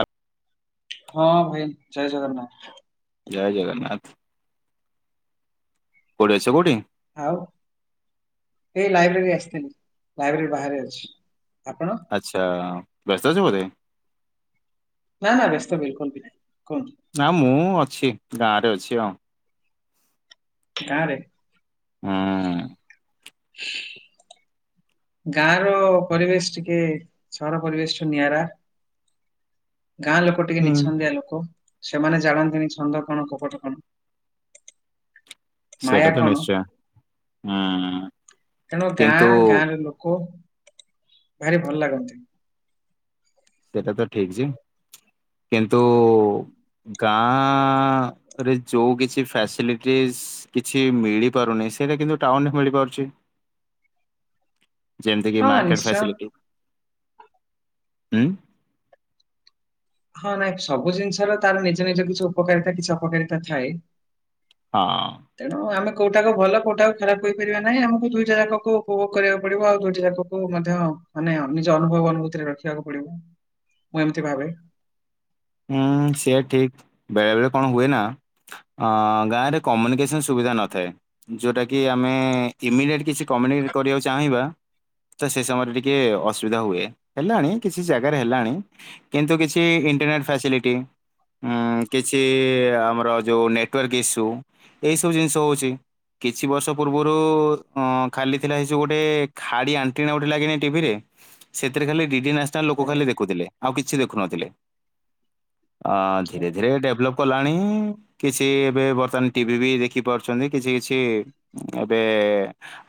ଆ- ହଁ ଭାଇ ଜୟ ଜଗନ୍ନାଥ। ଜୟ ଜଗନ୍ନାଥ। କୋଉଠି ଅଛ କଉଠି? ଆଉ ଏଇ ଲାଇବ୍ରେରୀ ଆସିଥିଲି ଲାଇବ୍ରେରୀ ବାହାରେ ଅଛି, ଆପଣ? ଆଚ୍ଛା। ବ୍ୟସ୍ତ ଅଛ ବୋଧେ? ନା ନା ବ୍ୟସ୍ତ ବିଲକୁଲ ବି ନହିଁ କୁହନ୍ତୁ। ନା ମୁଁ ଅଛି ଗାଁ ରେ ଅଛି ଆଉ। ଗାଁ ରେ ହଁ ଗାଁ ର ପରିବେଶ ଟିକେ ସହର ପରିବେଶ ଠୁ ନିଆରା। ଗାଁ ଲୋକ ଟିକେ ହୁଁ। ନିଛନ୍ଦିଆ ଲୋକ ସେମାନେ ଜାଣନ୍ତିନି ଛନ୍ଦ କଣ କପଟ କଣ। ମାୟା ସେଇଟା ତ ନିଶ୍ଚୟ। ହୁଁ କଣ କିନ୍ତୁ ଗାଁ ଗାଁରେ ଲୋକ ଭାରି ଭଲ ଲାଗନ୍ତି। ସେଇଟା ତ ଠିକ ଯେ କିନ୍ତୁ ଗାଁ ରେ ଯୋଉ କିଛି ଫ୍ୟାସିଲିଟିଜ୍ କିଛି ମିଳିପାରୁନି ସେଇଟା କିନ୍ତୁ ଟାଉନ ରେ ମିଳିପାରୁଛି। ଯେମତି କି ହଁ ମାର୍କେଟ ନିଶ୍ଚୟ ଫଶିଲିଟି। ହୁଁ ହଁ ନାଇଁ ସବୁ ଜିନିଷର ତାର ନିଜ ନିଜ କିଛି ଉପକାରିତା କିଛି ଅପକାରିତା ଥାଏ। ହଁ ତେଣୁ ଆମ କଉଟାକୁ ଭଲ କୋଉଟାକୁ ଖରାପଇପାରିବା ନାହିଁ ଆମକୁ ଦୁଇଟା ଯାକୁ ଉପଭୋଗ କରିବାକୁ ପଡିବ ଆଉ ଦୁଇଟା ଯାକୁ କୁ ମଧ୍ୟ ମାନେ ନିଜ ଅନୁଭବ ଅନୁଭୂତିରେ ରଖିବାକୁ ପଡିବ ମୁଁ ଏମିତି ଭାବେ। ହୁଁ ସେଆ ଠିକ ବେଳେ ବେଳେ କଣ ହୁଏ ନା ଗାଁରେ କମ୍ୟୁନିକେସନ୍ ସୁବିଧା ନଥାଏ ଯେଉଁଟା କିି ଆମେ ଇମିଡ଼ିଏଟ୍ କିଛି [unintelligible] କରିବାକୁ ଚାହିଁବା ତ ସେ ସମୟରେ ଟିକେ ଅସୁବିଧା ହୁଏ। ହେଲାଣି କିଛି ଜାଗାରେ ହେଲାଣି। କିନ୍ତୁ କିଛି ଇଣ୍ଟରନେଟ ଫସିଲିଟି ଉ କିଛି ଆମର ଯୋଉ ନେଟୱାର୍କ ଇସ୍ୟୁ ଏଇ ସବୁ ଜିନିଷ ହଉଛି। କିଛି ବର୍ଷ ପୂର୍ବରୁ ଅ ଖାଲି ଥିଲା ସେସବୁ ଗୋଟେ ଖାଡି ଆଣ୍ଟି ଗୋଟେ ଲାଗି ଟିଭିରେ? ସେଥିରେ ଖାଲି ଡି ଡି ନ୍ୟସନାଲ ଲୋକ ଖାଲି ଆଜ୍ଞା ଦେଖୁଥିଲେ ଆଉ କିଛି ଦେଖୁନଥିଲେ। ଅ ଧୀରେ ଆଜ୍ଞା ଧୀରେ ଡେଭଲପ କଲାଣି କିଛି ଏବେ ବର୍ତ୍ତମାନ ଟିଭି ବି ଦେଖି ପାରୁଛନ୍ତି। କିଛି କିଛି ଏବେ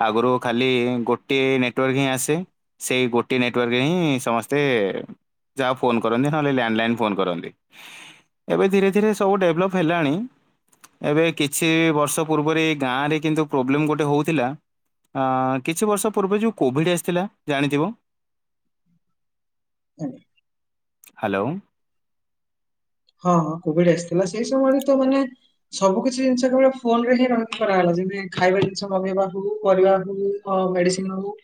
ଆଗରୁ ଖାଲି ଗୋଟିଏ ନେଟୱାର୍କ ହିଁ ଆସେ। ସେଇ ଗୋଟେ ନେଟୱାର୍କରେ ହିଁ ସମସ୍ତେ ଯାହା ଫୋନ କରନ୍ତି। ନହେଲେ ଲ୍ୟାଣ୍ଡଲାଇନ ଫୋନ କରନ୍ତି ଏବେ ଧୀରେ ଧୀରେ ସବୁ ଡେଭଲପ୍ ହେଲାଣି। ଏବେ କିଛି ବର୍ଷ ପୂର୍ବରେ ଏ ଗାଁରେ କିନ୍ତୁ ପ୍ରୋବ୍ଲେମ ଗୋଟେ ହଉଥିଲା। କିଛି ବର୍ଷ ପୂର୍ବେ ଯେଉଁ କୋଭିଡ଼୍ ଆସିଥିଲା ଜାଣିଥିବ। [inaudible] ହୁଁ। ହ୍ୟାଲୋ। ହଁ ହଁ କୋଭିଡ ଆସିଥିଲା ସେଇ ସମୟରେ ତ ମାନେ ସବୁ କିଛି ଜିନିଷ କେବଳ ଫୋନ ରେ ହିଁ ରକି କରାଗଲା ଯେମତି ଖାଇବା ଜିନିଷ ମଗେଇବା ହଉ ପରିବା ହଉ ହଉ ମେଡିସିନ ହଉ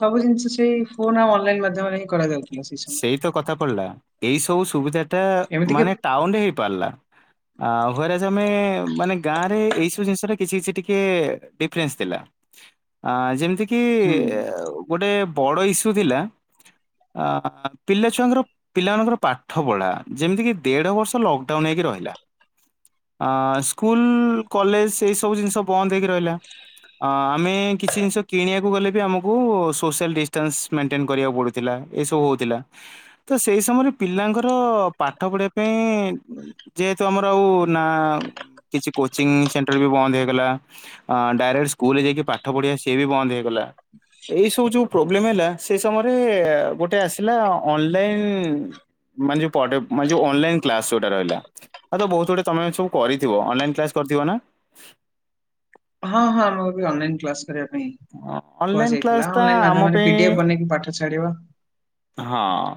ସବୁ ଜିନିଷ ସେଇ ଫୋନ ଆଉ ଅନଲାଇନ ମାଧ୍ୟମରେ ହିଁ କରାଯାଉଚି। ସେଇ ତ କଥା ପଡଲା ଏଇ ସବୁ ସୁବିଧା ଟା ଏମିତି କି ମାନେ ଟାଉନରେ ହେଇ ପାର୍ଲା ଆଉ [unintelligible] ମାନେ ଗାଁରେ ଏଇ ସ୍ ସବୁ ଜିନସରେ କିଛି କିଛି ଟିକେ ଡିଫରେନ୍ସ ଥିଲା ଆ ଯେମିତି କି ହୁଁ ଅ ଉ ଗୋଟେ ବଡ଼ ଇସ୍ୟୁ ଥିଲା ଅ ପିଲାଛୁଆଙ୍କର ପିଲାମାନଙ୍କର ପାଠ ପଢଲା ଯେମିତି କି ଦେଢ ବର୍ଷ ଲକଡାଉନ ହେଇକି ରହିଲା। ଆ ସ୍କୁଲ କଲେଜ ସେଇ ସବୁ ଜିନିଷ ବନ୍ଦ ହେଇକି ରହିଲା। ଅଁ ଆମେ କିଛି ଜିନିଷ କିଣିବାକୁ ଗଲେ ବି ଆମକୁ ସୋସିଆଲ ଡିଷ୍ଟାନ୍ସ ମେଣ୍ଟେନ କରିବାକୁ ପଡ଼ୁଥିଲା। ଏସବୁ ଉଥିଲା ତ ସେଇ ସମୟରେ ପିଲାଙ୍କର ପାଠ ପଢିବା ପାଇଁ ଯେହେତୁ ଆମର ଆଉ ନା କିଛି କୋଚିଂ ସେଣ୍ଟର ବି ବନ୍ଦ ହେଇଗଲା। ଅ ଡାଇରେକ୍ଟ ସ୍କୁଲ ଯାଇକି ପାଠ ପଢିବା ସିଏ ବି ବନ୍ଦ ହେଇଗଲା। ଏଇ ସବୁ ଯୋଉ ପ୍ରୋବ୍ଲେମ ହେଲା ସେ ସମୟରେ ଗୋଟେ ଆସିଲା ଅନଲାଇନ ମାନେ ଯ ମାନେ ଯ ଅନଲାଇନ କ୍ଲାସ ଯୋଉଟା ରହିଲା? ହଉ ତ ବହୁତ ଗୁଟେ ତମେ ସବୁ କରିଥିବ ଅନଲାଇନ୍ କ୍ଲାସ୍ କରିଥିବ ନା? ହଁ ହଁ ଆମର ଏ ଅନଲାଇନ୍ କ୍ଲାସ କରିବା ପାଇଁ ଅନଲାଇନ କ୍ଲାସ କୁହାଯାଇଥିଲା ଟା [unintelligible] ଆମ ମାଧ୍ୟମରେ ପାଇଁ ଫିଡ଼ିଫେ ବନେଇକି ପାଠ ଛାଡ଼ିବା। ହଁ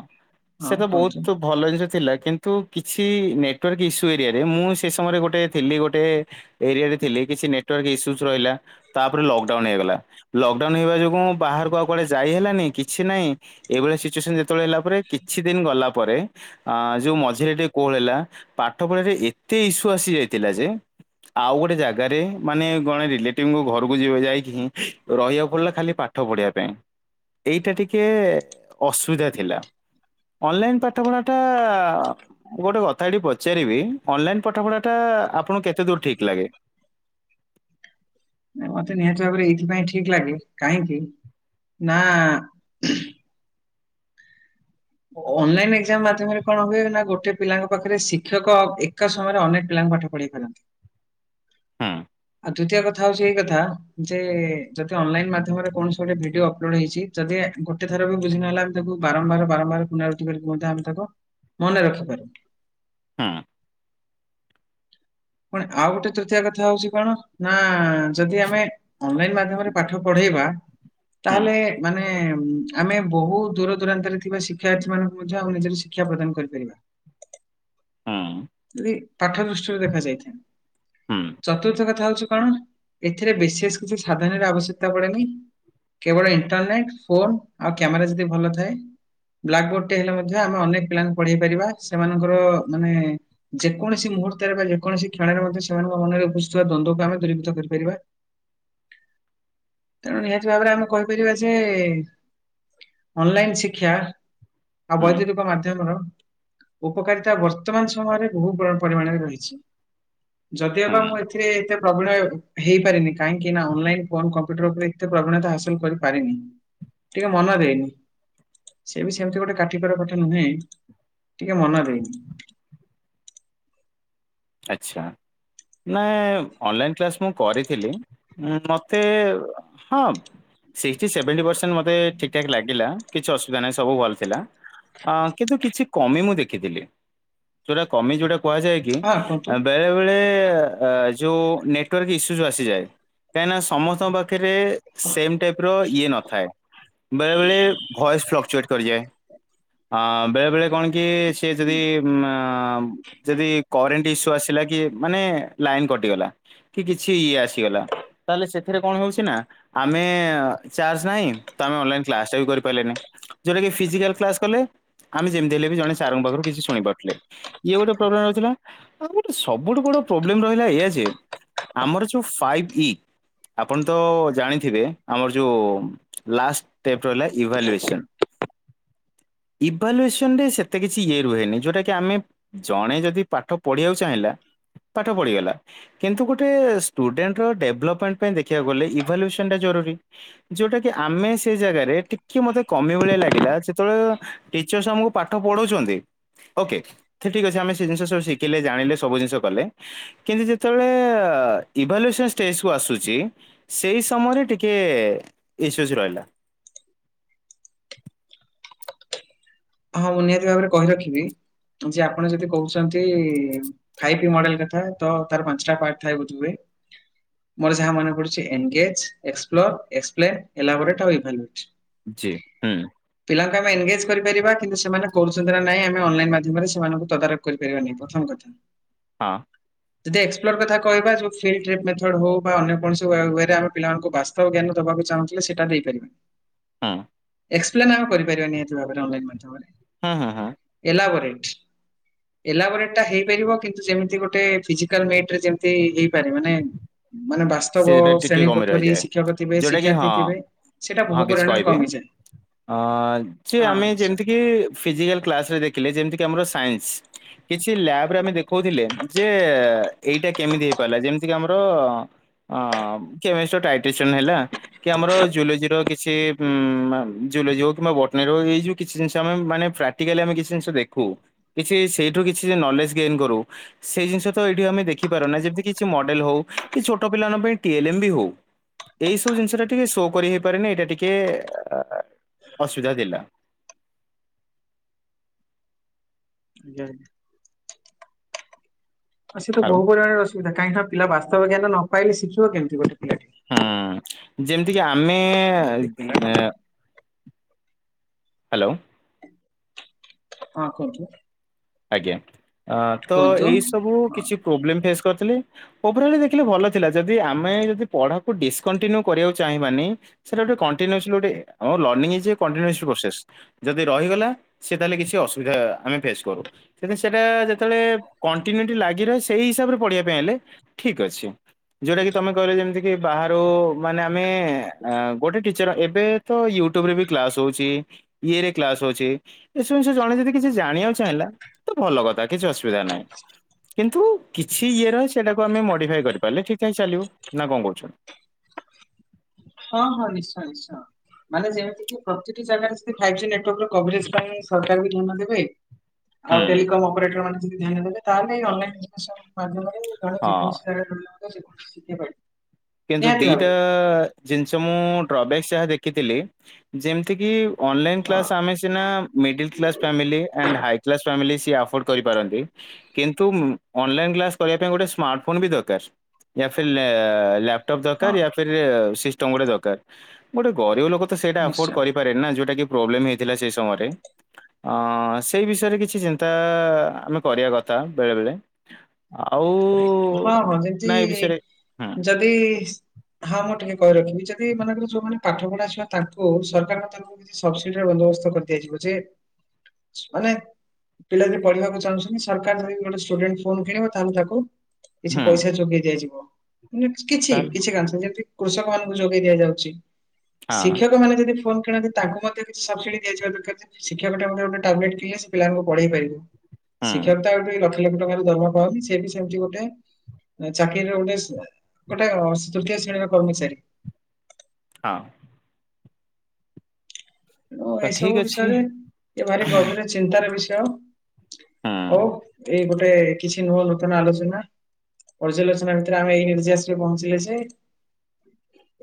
ସେ ତ କୁହନ୍ତୁ ବହୁତ ଭଲ ଜିନିଷ ଥିଲା କିନ୍ତୁ କିଛି ନେଟୱାର୍କ ଇସ୍ୟୁ ଏରିଆରେ ମୁଁ ସେ ସମୟରେ ଗୋଟେ ଥିଲି ଗୋଟେ? ଏରିଆରେ ଥିଲି କିଛି ନେଟାର୍କ ଇସୁସ୍ ରହିଲା। ତାପରେ ଲକଡାଉନ ହେଇଗଲା ଲକଡାଉନ ହେଇବା ଯୋଗୁ ବାହାରକୁ ଆଉ କୁଆଡେ ଯାଇ ହେଲାନି କିଛି ନାହିଁ। ଏଇଭଳିଆ ସିଚୁଏସନ ଯେତେବେଳେ ହେଲା ପରେ କିଛି ଦିନ ଗଲା ପରେ ଅ ଯୋଉ ମଝିରେ ଟିକେ କୋହ ହେଲା ପାଠ ପଢରେ ଏତେ ଇସ୍ୟୁ ଆସି ଯାଇଥିଲା ଯେ ଆଉ ଗୋଟେ ଜାଗାରେ ମାନେ ଗଣେ ରିଲେଟିଭ ଘରକୁ ଯିବେ ଯାଇକି, ହିଁ ରହିବାକୁ ପଡ଼ିଲା ଖାଲି ପା ପାଠ ପଢିବା ପାଇଁ ଏଇଟା ଟିକେ ଅସୁବିଧା ଥିଲା ଅନଲାଇନ୍ ପାଠପଢ଼ା ଟା ମୁଁ ଗୋଟେ କଥା ଏଠି ପଚାରିବି ଅନଲାଇନ୍ ପାଠ ପଢାଟା ଆପଣଙ୍କୁ କେତେ ଦୂର ଠିକ୍ ଲାଗେ? ନାଇଁ ମତେ ନିହାତି ଭାବରେ ଏଇଥିପାଇଁ ଠିକ୍ ଲାଗେ କାହିଁକି ନା ଅନଲାଇନ୍ ଏକ୍ଜାମ ମାଧ୍ୟମରେ କଣ ହୁଏ ନା, ଗୋଟେ ପିଲାଙ୍କ ପାଖରେ ଶିକ୍ଷକ ଏକା ସମୟରେ ଅନେକ ପିଲାଙ୍କୁ ପାଠ ପଢେଇ ପାରନ୍ତି। [inaudible] ଦ୍ୱିତୀୟ କଥା ହଉଚି ଏଇ କଥା, ଯେ ଯଦି ଅନଲାଇନ୍ ମାଧ୍ୟମରେ କୌଣସି ଗୋଟେ ଭିଡିଓ ଅପଲୋଡ଼ ହେଇଚି ଯଦି ଗୋଟେ ଥରବି ବୁଝିିନହେଲା, ଆ ତାକୁ ବାରମ୍ବାର ବାରମ୍ବାର [unintelligible] ମଧ୍ୟ ଆମେ ତାକୁ ମନେ ରଖିପାରୁ। ହୁଁ। ପୁଣି ଆଉ ଗୋଟେ ତୃତୀୟା କଥା ହଉଚି କଣ ନା ଯଦି ଆମେ ଅନଲାଇନ୍ ମାଧ୍ୟମରେ ପାଠ ପଢେଇବା ହୁଁ ତାହେଲେ ମାନେ ଆମେ ବହୁତ୍ ଦୂର ଦୂରାନ୍ତରେ ଥିବା ଶିକ୍ଷାର୍ଥୀ ମାନଙ୍କୁ ମଧ୍ୟ ଆମ ନିଜର ସି ଶିକ୍ଷା ପ୍ରଦାନ କରିପାରିବା। ହୁଁ। ପାଠ ଦୃଷ୍ଟିରେ ଦେଖା ହୁଁ ଯାଇଥାଏ ଚତୁର୍ଥ କଥା ହଉଚୁ କଣ ଏଥିରେ ବିଶେଷ କିଛି ସାଧନର ଆବଶ୍ୟକତା ପଡ଼େନି। କେବଳ ଇଣ୍ଟରନେଟ୍ ଫୋନ୍ ଆଉ କ୍ୟାମେରା ଯଦି ଭଲ ଥାଏ ବ୍ଲାକ୍ ବୋର୍ଡ ଟେ ହେଲେ ମଧ୍ୟ ଆମେ ଅନେକ ପିଲାଙ୍କୁ ପଢ଼େଇ ପାରିବା ସେମାନଙ୍କର ମାନେ ଯେକୌଣସି ମୁହୂର୍ତ୍ତରେ ବା ଯେକୌଣସି କ୍ଷଣରେ ମଧ୍ୟ ସେମାନଙ୍କ ମନରେ ଉପୁଥିବା ଦ୍ୱନ୍ଦ୍ୱକୁ ଆମେ ଦୂରୀଭୂତ କରିପାରିବା [inaudible] ତେଣୁ ନିହାତି ଭାବରେ ଆମେ କହିପାରିବା ଯେ ଅନନ୍ଲାଇନ୍ ଶିକ୍ଷା ଆଉ ହୁଁ ବୈଦକିକ ମାଧ୍ୟମର ଉପକାରିତା ବର୍ତ୍ତମାନ ସମୟରେ ବହୁ ପର ପରିମାଣରେ ରହିଚି। [inaudible] ଯଦିଓ ବା ମୁଁ ଏଥିରେ ଏତେ ପ୍ରବଳ ହେଇପାରିନି, କାହିଁକି ନା ଅନଲାଇନ ଫୋ କମ୍ପ୍ୟୁଟର ଉପରେ ଏ ପ୍ରବଣତା ହାସଲ କରିପାରିନି ଟିକେ ମନ ଦେଇନି। ସିଏବି ସେମିତି ଗୋଟେ କାଟିବାର କଥା ନୁହେଁ, ଟିକେ ମନ ଦେଇନି। ଆଚ୍ଛା। ନାଇଁ ଅନଲାଇନ କ୍ଲାସ ମୁଁ କରିଥିଲି ମତେ ହଁ ସିକ୍ସଟି ସେଭେଣ୍ଟି ପରସେଣ୍ଟ ମତେ ଠିକ୍ ଠାକ୍ ଲାଗିଲା, କିଛି ଅସୁବିଧା ନାହିଁ ସବୁ ଭଲ ଥିଲା। ଅ କିନ୍ତୁ କିଛି କମି ମୁଁ ଦେଖିଥିଲି ଯୋଉଟା କମି ଯୋଉଟା କୁହାଯାଏ କି ହଁ କୁହନ୍ତୁ। ଆ ବେ ବେଳେ ଅଁ ଯୋଉ ନେଟାର୍ ଇସୁଜ୍ ଆସିଯାଏ କାହିଁନା ସମସ୍ତଙ୍କ ପାଖରେ ତେବେ ସେମ ଟାଇପ ର ଇଏ ନଥାଏ ବେଳେ ବେଳେ ଭଏସ୍ ଫ୍ଲକ୍ଚୁଏଟ କରିଯାଏ ଅ ବେଳେ ବେଳେ କଣ କି ସିଏ ଯଦି ମୂ ଆଁ ଯଦି କରେଣ୍ଟ ଇସ୍ୟୁ ଆସିଲା କି ମାନେ ଲାଇନ କଟିଗଲା କି କିଛି ଇଏ ଆସିଗଲା। ତାହେଲେ ସେଥିରେ କଣ ହଉଚି ନା ଆମେ ଚାର୍ଜ ନାହିଁ ତ ଆମେ ଅନଲାଇନ କ୍ଲାସ ଟା ବି କରିପାଇଲେନାଇ। ଯୋଉଟା କି ଫିଜିକାଲ କ୍ଲାସ କଲେ ଆମେ ଯେମିତି ହେଲେ ଜଣେ ସାରଙ୍କ ପାଖରୁ କିଛି ଶୁଣି ପାରୁଥିଲେ ଇଏ ଗୋଟେ ପ୍ରୋବ୍ଲେମ ରହୁଥିଲା। ଆ ଗୋଟେ ସବୁଠୁ ବଡ ପ୍ରୋବ୍ଲେମ ରହିଲା ଏୟା ଯେ ଆମର ଯୋଉ ଫାଇଭ୍ ଇ ଆପଣ ତ ଜାଣିଥିବେ ଆମର ଯୋଉଁ ଲାଷ୍ ଟ ରହିଲା ଇଭାଲୁଏସନ୍। ଇଭାଲୁଏସନ ରେ ସେତେ କିଛି ଇଏ ରୁହେନି ଯୋଉ ଟା କି ଆମେ ଜଣେ ଯଦି ପାଠ ପଢିବାକୁ ଚାହିଁଲା ପାଠ ପଢିଗଲା। କିନ୍ତୁ ଗୋଟେ ଷ୍ଟୁଡେଣ୍ଟ ର ଡେଭଲପମେଣ୍ଟ ପାଇଁ ଦେଖିବାକୁ ଗଲେ ଇଭଲ୍ୟୁସନଟା ଜରୁରୀ। ଯୋଉଟା କି ଆମେ ସେ ଜାଗାରେ ଟିକେ ମତେ କମି ଭଳିଆ ଲାଗିଲା ଯେତେବେଳେ ଟିଚର୍ସ ଆମକୁ ପାଠ ପଢଉଛନ୍ତି ଓକେ ତେ ଠିକ ଅଛି ଆମେ ସେ ଜିନିଷ ସେ ସ୍ ଶିଖିଲେ ଜାଣିଲେ ସବୁ ଜିନିଷ କଲେ। କିନ୍ତୁ ଯେତେବେଳେ ଇଭାଲୁସନ ଷ୍ଟେସ୍ କୁ ଆସୁଚି ସେଇ ସମୟରେ ଟିକେ ଇସୂସ୍ ରହିଲା। ହଁ ମୁଁ ନିହାତି ଭାବରେ କହି ରଖିବି ଯେ ଆପଣ ଯଦି କହୁଛନ୍ତି? ଫାଇପି ଇ ମଡେଲ କଥା ତ ତାର ପାଞ୍ଚଟା ପାଟ୍ ଥାଏ ବଧହୂଏ। ମୋର ଯାହା ମନେ ପଡୁଛି ଏନଙ୍ଗେଜ୍ ଏକ୍ସପ୍ଲୋର ଏକ୍ସପ୍ଲେନ୍ ଏଲାବୋରେଟ୍ ଆଉ ଏଭାଲୁଏସନ। ଜି ହୁଁ। ପିଲାଙ୍କୁ ଆମେ ଏନ୍ଗେଜ କରିପାରିବା। କିନ୍ତୁ ସେମାନେ କରୁଛନ୍ତି ନା ନାଇଁ ଆମେ ଅନଲାଇନ ମାଧ୍ୟମରେ ସେମାନଙ୍କୁ ତଦାରଖ କରିପାରିବା ନାଇଁ ପ୍ରଥମ କଥା। ହଁ। ଯଦି ଏକ୍ସପ୍ଲୋର କଥା କହିବା ଫିଲ୍ଡ୍ରପ୍ ମେଥଡ ହଉ ବା ଅନ୍ୟ କୌଣସି ୱେ ୱେରେ ଆମେ ପିଲମାନଙ୍କୁ ବାସ୍ ଜ୍ଞାନ ଦବାକୁ ଚାହୁଁଥିଲେ ସେଟା ଦେଇପାରିବେ। ହଁ। ଏକ୍ସପ୍ଲେନ୍ ଆମେ କରିପାରିବା ନିିହାତି ଭାବରେ ଅନଲାଇନ୍ ମାଧ୍ୟମରେ। ହୁଁ ହୁଁ ହୁଁ। ଏଲା ବରେଟ୍। ଏଲା ବରେଟ୍ ଟା ହେଇପାରିବ କିନ୍ତୁ ଯେମିତି ଗୋଟେ ଫିଜିକାଲ୍ ମେଟରେ ଯେମତି ହେଇପାରେ ମାନେ ମାନେ ସେ ବାସ୍ତବ ସେଟା ଟିକେ ଶ୍ରେଣୀ କମି କୋଠରୀ ରହିଯାଏ। ଶିକ୍ଷକ ଥିବେ ଯୋଉଟା କି ହଁ ଶିକ୍ଷାର୍ଥୀ ଥିବେ ସେଇଟା ହଁ ବହୁ କିଛି ପରିମାଣରେ କହିବି। କମିଯାଏ। ଅ ସେ ହଁ ଆମେ ନିଶ୍ଚୟ। ଯେମିତିକି ଫିଜିକାଲ୍ କ୍ଲାସ୍ ରେ ଦେଖିଲେ ଯେମିତିକି ଆମର ସାଇନ୍ସ। କିଛି ଲ୍ୟାବ୍ ରେ ଆମେ ଦେଖଉଥିଲେ, ଯେ ଏଇଟା କେମିତି ହେଇପାରିଲା ଯେମିତି କି ଆମର ଅଁ କେମେଷ୍ଟ୍ରି ର ଟାଇଟେସନ୍ ହେଲା କି ଆମର ଜୁଲୋଜି ର କିଛି ମା ଜୁଲୋଜି ହଉ କିମ୍ବା ବଟିନର ହଉ, ଏଇ ଯଉ କିଛି ଜିନିଷ ଆମେ ମାନେ ପ୍ରାକ୍ଟିକାଲି ଆମେ କିଛି ଜିନିଷ ଦେଖୁ। କିଛି ସେଇଠୁ କିଛି ନଲେଜ୍ ଗେନ୍ କରୁ। ସେଇ ଜିନିଷ ତ ଏଇଠି ଆମେ ଦେଖିପାରୁନା। ଯେମିତି କିଛି ମଡେଲ୍ ହଉ କି ଛୋଟ ପିଲା ମାନଙ୍କ ପାଇଁ ଟିଏ ଏଲ୍ ଏମ୍ ବି ହଉ। ଏଇ ସବୁ ଜିନିଷ ଟା ଟିକେ ଶୋ କରି ହେଇପାରେନି, ଏଇଟା ଟିକେ ଅସୁବିଧା ଦେଲା। [unintelligible] ଆ ସେ ତ ଆଉ ବହୁରିମାଣରେ ଅସୁବିଧା। କାହିଁକି ନା ପିଲା ବାସ୍ତବ ଜ୍ଞାନ ନ ପାଇଲେ ଶିଖିବ କେମତି ଗୋଟେ ପିଲା। ହୁଁ। ଯେମିତିକି ଆମେ ଯଦି ପିଲା ଏ ହ୍ୟାଲୋ। ହଁ କୁହନ୍ତୁ। ଆଜ୍ଞା। ତ କୁହନ୍ତୁ ଏଇ ସବୁ ହଁ କିଛି ପ୍ରୋବ୍ଲେମ୍ ଫେସ୍ କରିଥିଲି। ଓଭରଆଲି ଦେଖିଲେ ଭଲ ଥିଲା। ଯଦି ଆମେ ଯଦି ପଢାକୁ ଡିସକଣ୍ଟିନ୍ୟୁ କରିବାକୁ ଚାହିଁବାନି ସେଟା ଗୋଟେ କଣ୍ଟିନୁଏସଲି ଗୋଟେ ଆମର learning is a continuous process. ଯଦି ରହିଗଲା ସିଏ ତାହେଲେ କିଛି ଅସୁବିଧା ଆମେ ଫେସ୍ କରୁ। ସେଇଟା ଯେତେବେଳେ କଣ୍ଟିନ୍ୟୁଟି ଲାଗି ରହେ ସେଇ ହିସାବରେ ପଢିବା ପାଇଁ ହେଲେ ଠିକ୍ ଅଛି। ଯୋଉଟା କିି ତମେ କହିଲ ଯେମିତି କି ବାହାରୁ ମାନେ ଆମେ ଗୋଟେ ଟିଚର୍ ଏବେ ତ ୟୁଟ୍ୟୁବ ରେ ବି କ୍ଲାସ୍ ହଉଚି। ଇଏରେ କ୍ଲାସ୍ ଅଛି। ଏସବୁ ଜିନିଷ ଜଣେ ଯଦି କିଛି ଜାଣିବାକୁ ଚାହିଁଲା ତ ଭଲ କଥା କିଛି ଅସୁବିଧା ନାହିଁ। କିନ୍ତୁ କିଛି ଇଏ ରହେ, ସେଇଟାକୁ ଆମେ ମଡ଼ିଫାଏ କରିପାରିଲେ ଠିକ୍ ଠାକ୍ ଚାଲିବ। ନା କଣ କହୁଚ? ହଁ ହଁ ନିଶ୍ଚୟ ନିଶ୍ଚୟ। ମାନେ ଯେମିତି କି ପ୍ରତିଟି ଜାଗାରେ ସେ ଫାଇପି ଜି ନେଟୱର୍କ ର କଭରେଜ୍ ପାଇଁ ସରକାର ବି ଧ୍ୟାନ ଦେବେ। ହୁଁ। ଆଉ ଟେଲିକମ୍ ଅପରେଟର ମାନେ ଯଦି ଧ୍ୟାନ ଦେବେ ତାହେଲେ ଅନଲାଇନ୍ ଜିନିଷ। [unintelligible] କାରଣ ହଁ ଯେକୌଣସି ଜାଗାରେ ରହିଲେ ମଧ୍ଯ [unintelligible] ଶିଖି ପାରିବ। କିନ୍ତୁ ନିହାତି ଦିଟା ଭାବରେ ଜିନିଷ ମୁଁ ଟ୍ରବ୍ୟାକ୍ ଯାହା ଦେଖିଥିଲି ଯେମିତିକି ଅନଲାଇନ୍ କ୍ଲାସ୍ ଆମେ ସିନା middle class family and high class family ସିଏ ଆଫୋର୍ଡ କରିପାରନ୍ତି। କିନ୍ତୁ ଅନଲାଇନ୍ କ୍ଲାସ୍ କରିବା ପାଇଁ ଗୋଟେ ସ୍ମାର୍ଟ ଫୋନ୍ ବି ଦରକାର। [unintelligible] ଲ୍ୟା ପଟପ୍ ହଁ ଦରକାର ୟା ଫିର୍ ସିଷ୍ଟମ୍ ଗୋଟେ ଦରକାର। ଗୋଟେ ଗରିବ ଲୋକ ଅଫୋର୍ଟ ନିଶ୍ଚୟ କରି ପାରେନି ନା। ଯୋଉଟା କି ପ୍ରୋବ୍ଲେମ୍ ହେଇଥିଲା ସେଇ ସମୟରେ। ଅ ସେଇ ବିଷୟରେ କିଛି ଚିନ୍ତା ଆମେ କରିବା କଥା ବେଳେବେଳେ। ଆଉ ହଁ ହଁ ନା ଏ ଯେମିତି ବିଷୟରେ ହୁଁ। [unintelligible] ହଁ ମୁଁ ଟିକେ କହି ରଖିବି ଯଦି ମନେକର ଯୋଉମାନେ ପାଠପଢା ଛୁଆ ତାଙ୍କୁ ସରକାର ତାଙ୍କୁ କିଛି ସବ୍ସିଡିର ବନ୍ଦୋବସ୍ତ କରିଦିଆଯିବ ଯେ ମାନେ ପିଲା ଯଦି ପଢିବାକୁ ଚାହୁଁଛନ୍ତି ସରକାର ଯଦି ଗୋଟେ ଷ୍ଟୁଡେଣ୍ଟ ଫୋନ୍ କିଣିବ ତାହେଲେ ତାକୁ କିଛି ହୁଁ ପଇସା ଯୋଗେଇ ଦିଆଯିବ କିଛି ତାହେଲେ କିଛି କାଂଶ ଯେମତି କୃଷକ ମାନଙ୍କୁ ଯୋଗେଇ ଦିଆଯାଉଚି, ହଁ ଶିକ୍ଷକ ମାନେ ଯଦି ଫୋନ୍ କିଣ ତାଙ୍କୁ ମଧ୍ୟ କିଛି ସବସିଡି ଦିଆଯିବା ଦରକାର ଯେ ଶିକ୍ଷକ ଗୋଟେ ଟାବଲେଟ୍ କିଣିଲେ ସେ ପିଲାଙ୍କୁ ପଢେଇ ପାରିବେ। ହୁଁ ଶିକ୍ଷକତା ଆଉ ଟିକେ ଲକ୍ଷ ଲକ୍ଷ ଟଙ୍କାର ଦରମା ପାଉନି। ସେଏ ବି ସେମତି ଗୋଟେ ଚାକିରିର ଗୋଟେ ଗୋଟେ ଅ ତୃତୀୟ ଶ୍ରେଣୀର କର୍ମଚାରୀ। ହଁ। ଓ ତ ଏସବୁ ଠିକ୍ ଅଛି ବିଷୟରେ ଏ ଭାରି ଗଭୀର ଚିନ୍ତାର ବିଷୟ। ହୁଁ ଓଉ ଏ ଗୋଟେ କିଛି ନୂଆ ନୂତନ ଆଲୋଚନା, ପର୍ଯ୍ୟାଲୋଚନା ଭିତରେ ଆମେ ଏଇ ନିର୍ଯେଶ ରେ ପହଞ୍ଚିଲେ ଯେ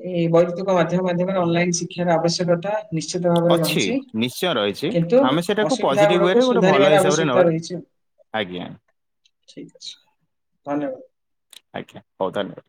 ଏଇ ବୈତୁକ ମାଧ୍ୟ ମାଧ୍ୟମରେ ଅନଲାଇନ ଶିକ୍ଷାର ଆବଶ୍ୟକତା ନିି ନିଶ୍ଚିତ ଭାବରେ ଅଛି ରହିଛି, ନିଶ୍ଚୟ ରହିଛି। କିନ୍ତୁ ଆମେ ସେଟାକୁ ଅସୁବିଧା ପଜିଟିଭ ୱେରେ ଗୁଡକୁ ଗୋଟେ ଭଲ ସୁଧାରିବାର ହିସାବରେ ନେବା ଆବଶ୍ୟକତା ରହିଚି। ଆଜ୍ଞା। ଠିକ ଅଛି, ଧନ୍ୟବାଦ। ଆଜ୍ଞା, ହଉ ତାଲେ।